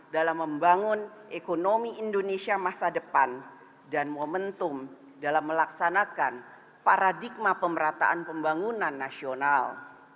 dalam membangun ekonomi indonesia masa depan dan momentum dalam melaksanakan paradigma pemerataan pembangunan nasional